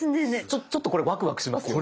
ちょっとこれワクワクしますよね！